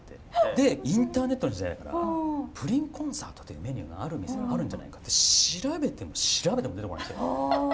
でインターネットの時代だからプリンコンサートってメニューがある店があるんじゃないかって調べても調べても出てこないんですよ。